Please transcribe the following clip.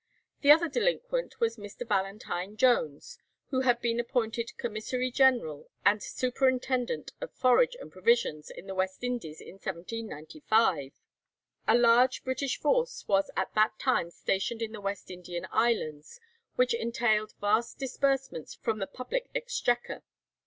The other delinquent was Mr. Valentine Jones, who had been appointed commissary general and superintendent of forage and provisions in the West Indies in 1795. A large British force was at that time stationed in the West Indian Islands, which entailed vast disbursements from the public exchequer.